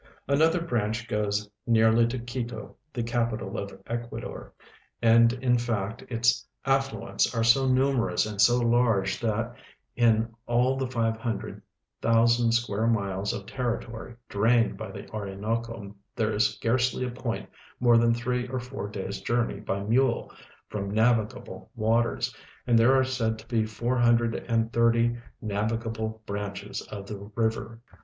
Another branch goes nearly to Quito, the capital of Ecuador,, and in fact its affluents are so numerous and so large that in all the five hundred thousand square miles of territory drained by the Orinoco there is scarcely a point more than three or four days' journey l)y mule from navigable Avaters, and there are said to l>e four hundred and thirty navigable branches of the river.